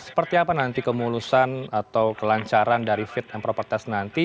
seperti apa nanti kemulusan atau kelancaran dari fit dan propertas nanti